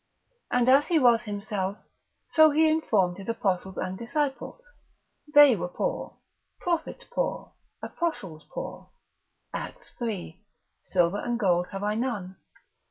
And as he was himself, so he informed his Apostles and Disciples, they were all poor, Prophets poor, Apostles poor, (Act. iii. Silver and gold have I none.)